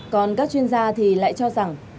còn các chuyên gia thì lại cho rằng